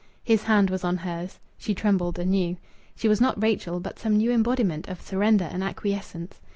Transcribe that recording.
His hand was on hers. She trembled anew. She was not Rachel, but some new embodiment of surrender and acquiescence.